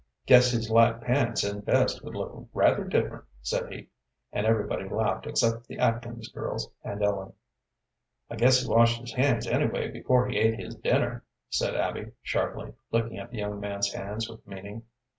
"Guess his light pants and vest would look rather different," said he, and everybody laughed except the Atkins girls and Ellen. "I guess he washed his hands, anyway, before he ate his dinner," said Abby, sharply, looking at the young man's hands with meaning.